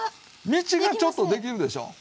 道がちょっとできるでしょ。